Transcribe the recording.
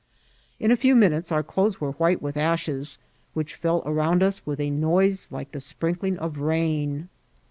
In a few min* utes our clothes were white with ashes, which fell around us vnth a noise like the sprinkling of rain.